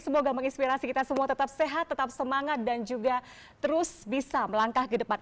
semoga menginspirasi kita semua tetap sehat tetap semangat dan juga terus bisa melangkah ke depan